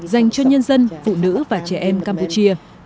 dành cho nhân dân phụ nữ và trẻ em campuchia